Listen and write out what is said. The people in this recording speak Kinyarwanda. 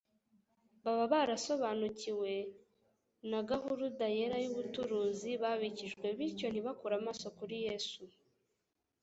baba barasobanukiwe na gahuruda yera y'ubuturuzi babikijwe, bityo ntibakure amaso kuri Yesu.